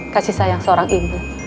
kasih sayang seorang ibu